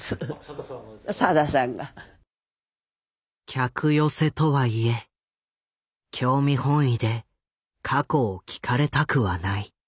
客寄せとはいえ興味本意で過去を聞かれたくはない。